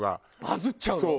バズっちゃうの？